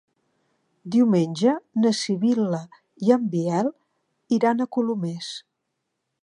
Diumenge na Sibil·la i en Biel iran a Colomers.